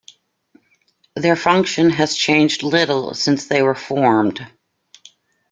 Their function has changed little since they were formed.